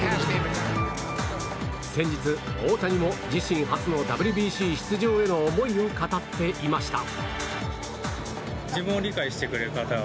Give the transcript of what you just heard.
先日、大谷も自身初のＷＢＣ出場への思いを語っていました。